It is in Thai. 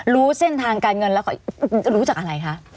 รู้เส้นทางการเงินแล้วเขารู้จักอะไรคะ